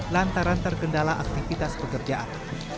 lantaran terkendala aktivitas pekerjaan